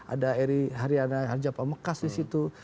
ada ari haryana harjapa mekas disitu